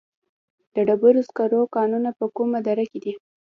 د ډبرو سکرو کانونه په کومه دره کې دي؟